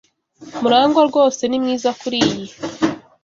Murangwa rwose ni mwiza kuriyi.